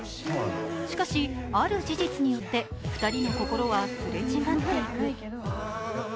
しかしある事実によって２人の心はすれ違っていく。